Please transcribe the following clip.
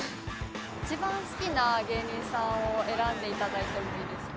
一番好きな芸人さんを選んでいただいてもいいですか？